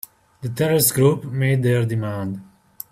The terrorist group made their demand.